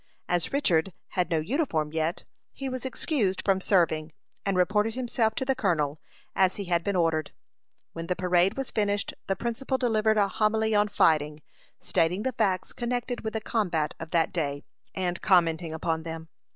As Richard had no uniform yet, he was excused from serving, and reported himself to the colonel, as he had been ordered. When the parade was finished, the principal delivered a homily on fighting, stating the facts connected with the combat of that day, and commenting upon them.